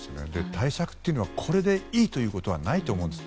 対策というのはこれでいいということはないと思うんです。